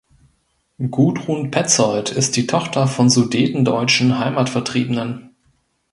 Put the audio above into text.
Gudrun Petzold ist die Tochter von sudetendeutschen Heimatvertriebenen.